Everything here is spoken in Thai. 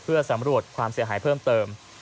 เพื่อสำรวจความเสียหายเพิ่มเติม